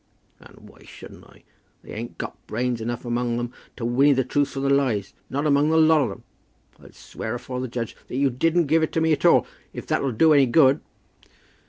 "And why shouldn't I? They hain't got brains enough among them to winny the truth from the lies, not among the lot of 'em. I'll swear afore the judge that you didn't give it me at all, if that'll do any good."